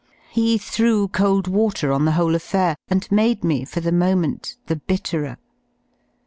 He threw cold water on the whole affair and made me for the moment the bitterer.